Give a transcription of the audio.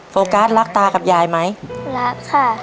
โฟกัสรักตากับยายไหมรักค่ะ